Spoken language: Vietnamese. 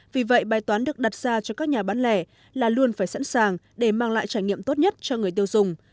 vì vậy bài toán được đặt ra cho các nhà bán lẻ là luôn phải sẵn sàng để mang lại trải nghiệm tốt nhất cho người tiêu dùng